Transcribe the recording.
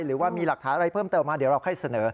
หรือว่ามีหลักฐานอะไรเพิ่มเติมมาเดี๋ยวเราค่อยเสนอ